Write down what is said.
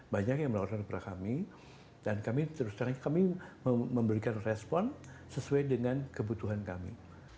banyak yang menawarkan kepada kami dan kami terus terang kami memberikan respon sesuai dengan kebutuhan kami